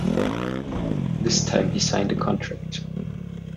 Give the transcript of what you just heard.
This time he signed a contract.